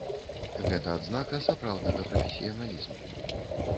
Гэта адзнака сапраўднага прафесіяналізму!